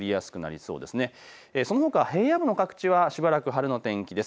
そのほか平野部の各地はしばらく晴れの天気です。